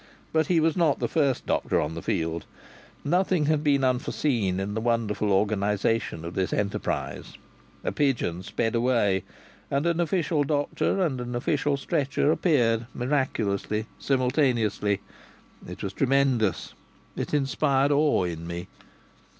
But he was not the first doctor on the field. Nothing had been unforeseen in the wonderful organization of this enterprise. A pigeon sped away and an official doctor and an official stretcher appeared, miraculously, simultaneously. It was tremendous. It inspired awe in me.